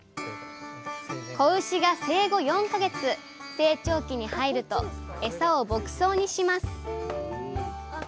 子牛が生後４か月成長期に入るとエサを牧草にします